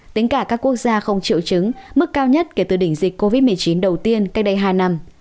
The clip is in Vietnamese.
tính cả các quốc gia không triệu chứng mức cao nhất kể từ đỉnh dịch covid một mươi chín đầu tiên cách đây hai năm